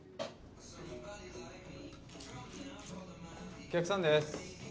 お客さんです。